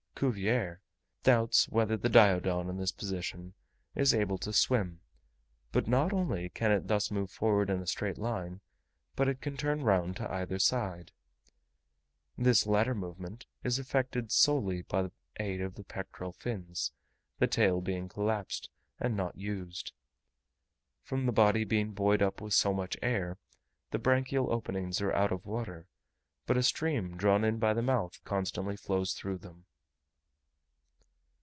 Cuvier doubts whether the Diodon in this position is able to swim; but not only can it thus move forward in a straight line, but it can turn round to either side. This latter movement is effected solely by the aid of the pectoral fins; the tail being collapsed, and not used. From the body being buoyed up with so much air, the branchial openings are out of water, but a stream drawn in by the mouth constantly flows through them.